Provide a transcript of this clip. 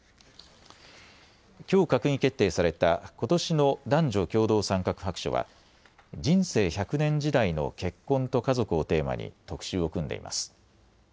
きょう閣議決定されたことしの男女共同参画白書は人生１００年時代の結婚と家族をテーマに特集を組んでいます。